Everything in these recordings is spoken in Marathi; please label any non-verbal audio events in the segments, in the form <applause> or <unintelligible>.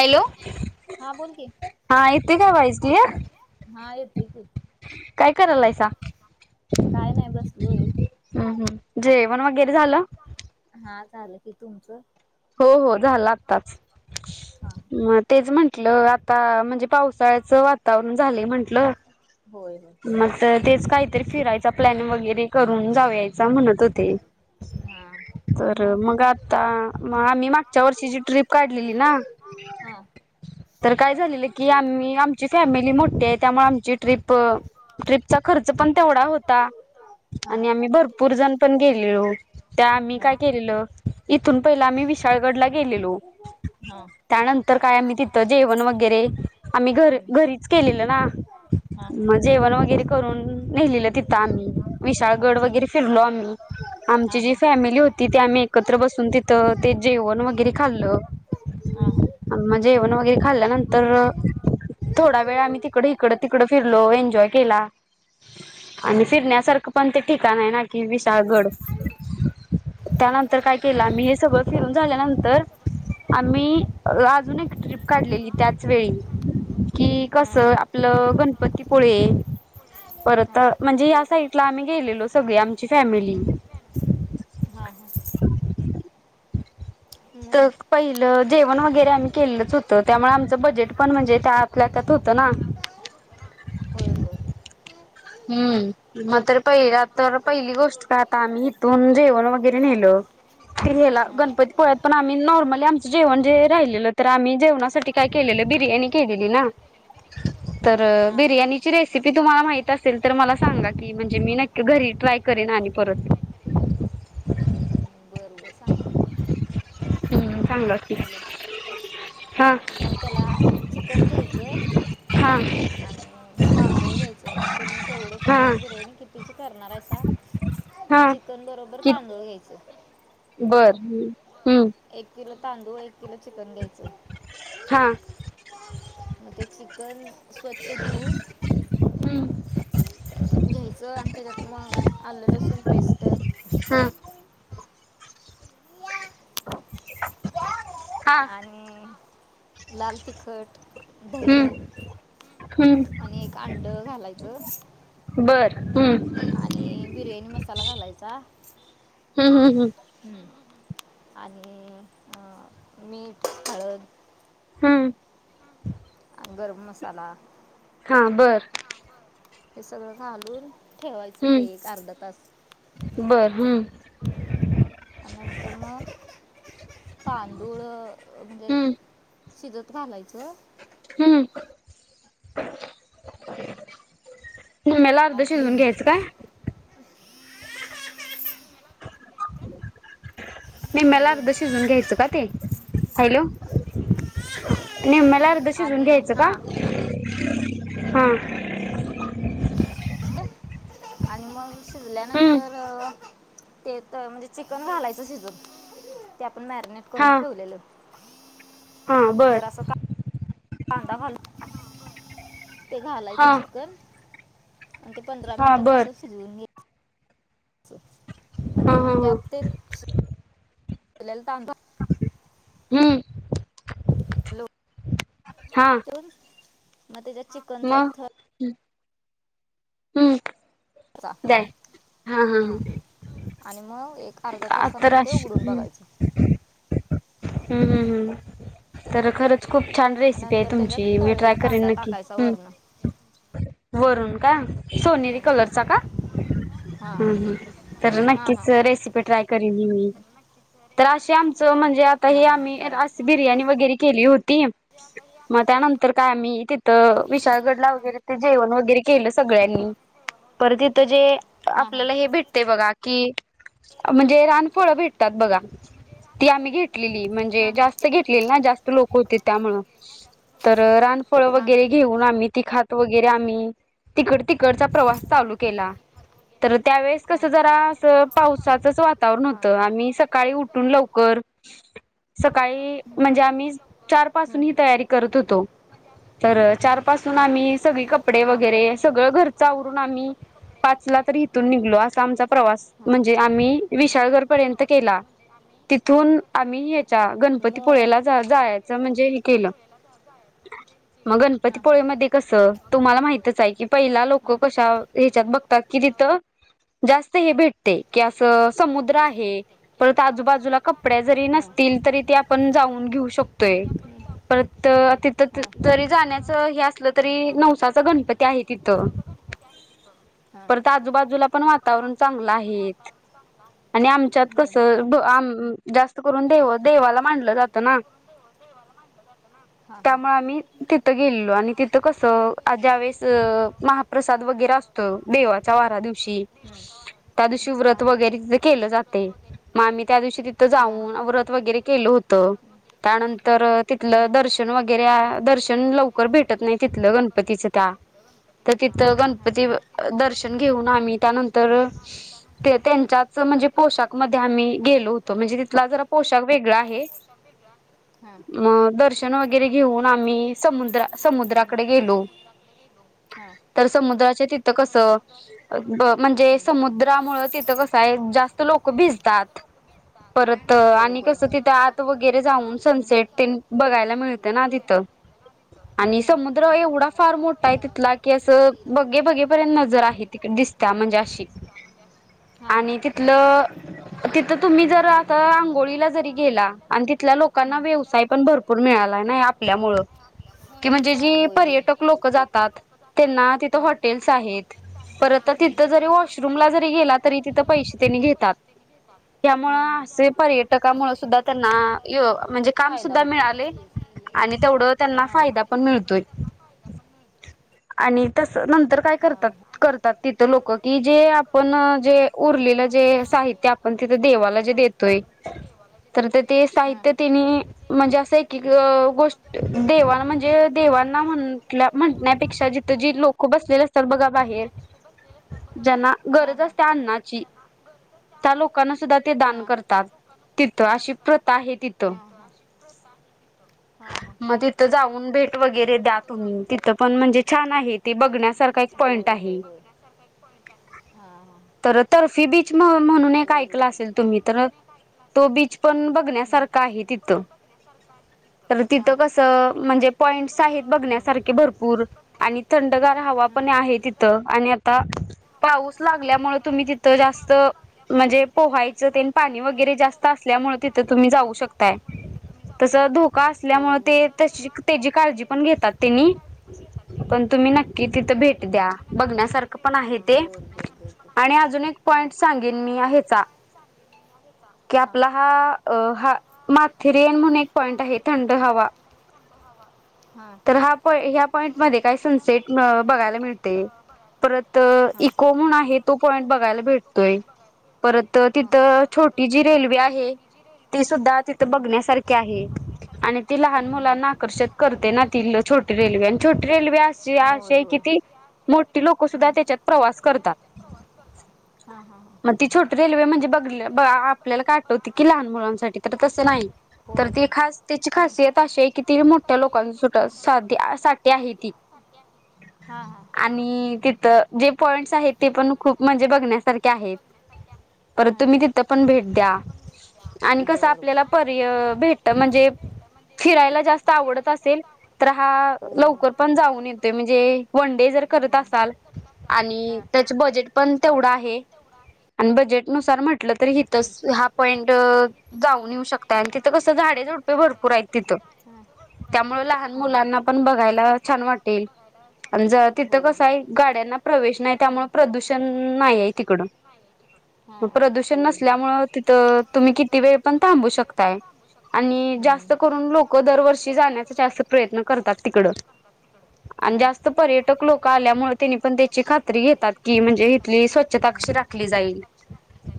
हॅलो हा येतो य काय व्हाइस कलीयर काय करायलायसा काय नाही बसलोय हम् हम जेवण वगैरे झालं हा झालं की तुमचं हो हो झाला आत्ताच म तेच म्हटलं आता म्हणजे पावसाळ्याचं वातावरण झालय म्हंटलं होय होय मग त तेच काहीतरी फिरायच - चा प्लॅन वगैरे करून जावयाचा म्हणत होते तर मग आता आम्ही मागच्या वर्षीची ट्रिप काढलेली ना तर काय झालेलं की आम्ही आमची फॅमिली मोठी आहे त्यामुळे आमची ट्रिप ट्रिपचा खर्च पण तेवढा होता आणि आम्ही भरपू - पूरजण पण गेलेलो त्या आम्ही काय केलेलं <unintelligible> हा त्यानंतर काय आम्ही तिथं जेवण वगैरे आम्ही घर घरीच केलेलं ना हा मग जेवण वगैरे करून नेलेलं तिथं आम्ही विशाळगड वगैरे फिरलो आम्ही आमची जी फॅमिली हो - तिथे आम्ही एकत्र बसून तिथं ते जेवण वगैरे खाल्लं मगं जेवण वगैरे खाल्ल्यानंतर थोडा वेळ आम्ही तिकड इकडं तिकडं फिरलो जॉय केला आणि फिरण्यासारखं पण ते ठिकाण आहे ना कि विशाळगड त्यानंतर काय केलं मही हे सगळ फिरून झाल्यानंतर आम्ही अजून एक ट्रिप काढलेली त्याच वेळी कि कस आपलं गणपती - पुळे परत म्हणजे या साईडला आम्ही गेलेलो सगळी आमची फॅमिली हा हा तर पहिलं जेवण वगैरे आम्ही केलंच होतं त्यामुळे आमचं बजेट पण म्हणजे त्या आपल्या त्यात होतं ना होय होय हम्म मग तर पहिला तर पहिली गोष्ट का आता आम्ही इथून जेवण वगैरे नेलं. <unintelligible> गणपतीपुळ्यात पण आम्ही नॉर्मली आमचं जेवण जे राहिलेलं तर आम्ही जेवणासाठी काय केलेलं बिर्याणी केलेली ना तर बिर्याणीची रेसिपी तुम्हाला माहित तर मला सांगा की म्हणजे मी नक्की घरी ट्राय करेन आणि परत हम्म बर बर सांगते की हॅलो! अम मग त्याला चिकन घ्यायचं आणि तांदूळ द्यायच मग तुम्ही केवढेच म्हणजे बिर्याणी किती करणारय चिकन बरोबर तांदूळ घ्यायचे बर हम्म एक किलो तांदूळ एक किलो चिकन घ्यायचं हा मग ते चिकन स्वच्छ धुन घ्यायचं आणि त्याच्यात मग आलं लसूण पेस्ट हा आणि लाल तिखट दही आणि एक अंड घालायचं आणि बिर्याणी मसाला घालायचा हमं हमं हमं हमं आणि अ मीठ हळद हम गरम मसाला हा बरं हे सगळं घालून ठेवायचं ते एक अर्धा तास बर बर हम्म आणि या नंतर मग तांदूळ अ म्हणजे शिजत घालायचं. हम्म निम्म्याला अर्ध शिजवून घ्यायचं का? निम्म्याला अर्ध शिजून घ्यायचं का ते? हॅलो! निम्म्याला अर्ध शिजवून घ्यायचं का? हा आणि मग शिजल्यानंतर त्यात म्हणजे चिकन घालायचं शिजून, ते आपण मॅरिनेट करून ठेवलेल. जरा असं कांदा घाल, <inaudible> ते घालायचं चिकन आणि ते पंधरा मिनिटात तस शिजवून घ्या आणि मग त्यात ते आपल्याला तांदू हम्म <inaudible> हा मग त्याच्याच चिकण चां एक थर हम्म चा हा आणि मग एक अर्धा न मगं ते उघडून बघायचे. हम्म हम्म हम् तर खरंच खूप छान रेसिपी आहे तुमची मी ट्राय करेन नक्की. वरून का, सोनेरी कलरचा का? हम् हम तर नक्कीच रेसिपी ट्राय करीण मी, तर असे आमचं म्हणजे, आता हे आम्ही बिर्याणी वगैरे केली होती, मग त्यानंतर तर काय आम्ही तिथं, विशाळगडला वगैरे ते जेवण वगैरे केलं सगळ्यांनी, परत इथं जे आपल्याला हे भेटते बघा की, म्हणजे रानफळं भेटतात बघा, ती आम्ही घे पिकलेली म्हणजे, जास्त घेतलेली ना जास्त लोक होती त्यामुळे. तर रानफळं वगैरे घेऊन, आम्ही ती खात वगैरे आम्ही तिकड तिकडचा प्रवास चालू केला. तर त्यावेेळेस कसं जरा, असं पावसाचंच वातावरण होतं आम्ही सकाळी उठून लवकर. सकाळी म्हणजे, आम्ही चार पासून ही तयारी करतं होतो. तर चार पासून आम्ही, सगळी कपडे वगैरे सगळं घरचं आवरून आम्ही. पाचला तर इथून निघलो असा आमचा प्रवास, म्हणजे आम्ही विशाळगड पर्यंत केला. तिथून, आम्ही हेच्या गणपतीपुळेला जा जायचं म्हणजे हे केलं. मग गणपतीपुळे मध्ये कसं तुम्हाला माहितच आहे. की पहिला लोक कशा, हेच्यात बघतात कि तिथं, जास्त हे भेटते की असं समुद्र आहे, परत आजूबाजूला क जरी नसतील तरी ते आपण जाऊन घेऊ शकतोय, परत तर तरी जाण्याचं हे असलं, तरी नवसाच गणपती आहे तिथं. परत आजूबाजूला पण वातावरण चांगलं. तिथं पण वातावरण चांगल आहे. हम्म आम जास्त, आमच्यात आम जास्त करुन देवाला मानलं जातं. त्यामुळे आम्ही तिथं गेलेलो. आणि तिथं कसं ज्या वेळेस महा प्रसाद वगैरे असतो. देवाच्या वारा दिवशी त्यादिवशी व्रत वगैरे तिथं केलं जातं. ते, मग आम्ही त्या दिवशी जाऊन व्रत वगैरे केलं होतं, त्यानंतर तिथलं दर्शन वगैरे दर्शन लव लवकर भेटत नाही, तिथलं गणपतीचं त्या तर तिथं गणपती दर्शन घेऊन. आम्ही त्यानंतर ते तेनच्यात, म्हणजे पोशाख मध्ये आम्ही गेलो होतो. म्हणजे तिथला जरा पोशाख वेगळा आहे. म दर्शन वगैरे घेऊन आम्ही समुद्र समुद्राकडे गेलो. तर समुद्राचे तिथं कसं म्हणजे, समुद्रामुळ तिथं कस जास्त लोक भिजतात. परत आणि कसं तिथं आत वगैरे, जाऊन सनसेट ते बघायला मिळतं ना तिथं. आणि समुद्र एवढा फार मोठा आहे तिथला, की असं बगे बगेपर्यंत नजर आहे तिकडे दिसत. त्या म्हणजे अशी, आणि तिथलं तिथ तुम्ही जर आता आंघो ळीला जरी गेला. आणि तिथल्या लोकांना व्यवसाय पण भरपूर मिळाला ना आपल्यामुळ. की म्हणजे जे पर्यटक लोक जातात. त्यांना तिथ हॉटेल्स आहेत. वॉशरूमला जरी गेला तरी तिथ पैसे ते घेतात. त्यामुळं असं पर्यटकामुळे सुद्धा त्यांना, य म्हणजे काम सुद्धा मिळालय. आणि तेवढं त्यांना फायदा पण मिळतोय. आणि तस नंतर काय करतात. तिथं लोक कि जे, आपण जे उरलेलं जे साहित्य आपण तिथं देवाला जे देत तो तर तेज्ञते साहित्य तिन्ही. म्हणजे असं एक एक गोष्ट, देवाना म्हणजे देवांना म्हटल्या म्हटल्या, पेक्षा जिथं जी लोक बसलेले असतात बघा. बाहेर ज्यांना, गरज असते अन्नाची. त्या लोकांना सुद्धा, ते दान करतात. तिथं अशी प्रथा आहे तिथं. झोपा. हा हां. तिथ जाऊन भेट वगैरे द्या तुम्ही तिथ पण म्हणजे छान आहे बघण्यासारखं. होय होय होय हा हा. तर्फे बी बीच म्हणून एक ऐकलं असेल तुम्ही तर तो बीच पण बघण्यासारखा आहे तिथं. तर तिथं कस म्हणजे पॉईंट आहेत बघण्यासारखे भरपूर. पूर आणि थंडगार हवा पण आहे. तिथं आणि आता पाऊस लागल्यामुळे तुम्ही तिथं जास्त म्हणजे पोहायचं ते पाणी वगैरे जास्त असल्यामुळे तिथं तुम्ही जाऊ शकताय. तस धोका असल्यामुळे ते तशी त्याची काळजी पण घेतात त्यांनी. पण तुम्ही नक्की तिथं भेट द्या बघण्यासारखं पण आहे ते. आणि अजून एक पॉइंट सांगेन मी ह्याचा कि आपला हा आ हा माथेरयन म्हणून एक पॉइंट आहे थंड हवा. तर हा प ह्या पॉईंट मध्ये काही सनसेट बघायला मिळते. परत इको म्हणून आहे तो पॉइंट बघायला भेटतोय. परत तिथं छोटी जी रेल्वे आहे. ती सुद्धा तिथे बघण्यासारखी आहे. आणि ती लहान मुलांना आकर्षित करते ना ति छोटी रेल्वे छोटी रेल्वे अशी अशी आहे की किती. मोठी लोकं सुद्धा त्याच्यात प्रवास करतात. हा हा. मग ती छोटी रेल्वे म्हणजे बघली ब आ आ आपल्याला काठवते की लहान मुलांसाठी तर तसं नाही. तर ती खास त्याची खासियत अशी आहे की, ति मोठ्या लोकां सुट साठी सा त्या आहे ती. हा हा. आणि तिथं जे पॉइंटस आहेत, ते पण खूप म्हणजे बघण्यासारखे आहेत. पर तुम्ही तिथं पण भेट द्या. आणि कसं आपल्याला परीय भेट म्हणजे फिरायला जास्त आवडत असेल, तर हा लव लवकर पण जाऊन येते, म्हणजे वन डे जर करत असाल, आणि त्याचं बजेट पण तेवढं आहे. आणि बजेटनुसार म्हटलं तरी हीथच, हा पॉईंट जाऊन येऊ शकताय, आणि तिथं कसं झाडे झुडपे भरपूर आहे तिथं. त्यामुळे लहान मुलांना पण बघायला छान वाटेल. जर तिथं कसंये, गाड्यांना प्रवेश नाय, त्यामुळे प्रदूषण नाहीये तिकड. हा हम्म. आणि जास्त करून लोक, दरवर्षी जाण्याचा जास्त प्रयत्न करतात तिकडं. आणि जास्त पर्यटक लोक आल्यामुळे, त्यांनी पण त्याची खात्री घेतात की, म्हणजे इथली स्वच्छता कशी राख ली जाईल,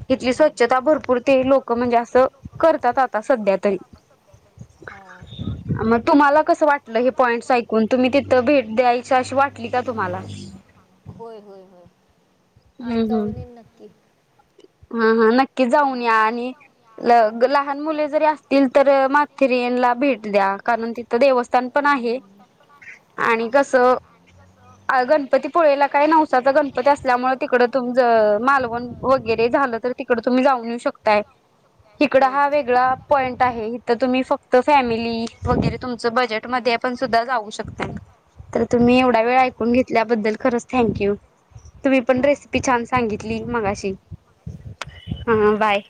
इथली स्वच्छता भरपूर ते लोक म्हणजे असं करतात आता सध्या तरी. मग तुम्हाला कस वाट हे पॉईंट्स ऐकून? तुम्ही तिथं भेट द्यायच अशी वाटली का तुम्हाला? होय होय होय आम्ही जाऊन येईन नक्की. हा हा नक्की जाऊन या आणि ल लहान मुले जरी असतील, तर माथेरीयनला भेट द्या, कारण तिथं देवस्थान पण आहे, आणि कस अ गणपती पुळेला काय? नवसाचा गणपती असल्यामुळे, तिकड तुमच मालवण वगैरे झालं तर, तिकड तुम्ही जाऊन येऊ शकताय, इकड हा वेगळा पॉईंट आहे, इथ तुम्ही फक्त फॅमिली वगैरे तुमच बजेटमध्ये पण सुद्धा जाऊ शकताय. तर तुम्ही एवढा वेळ ऐकून घेतल्याबद्दल, खरंच थँक यू. तुम्ही पण रेसिपी छान सांगितली, मगाशी. हा बाय.